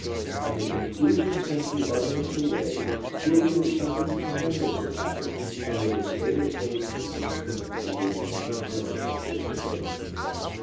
And the conclusion sent the audience away feeling that something tremendous had happened, and that the state of things existing at the beginning could never exist again.